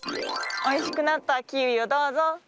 おいしくなったキウイをどうぞ。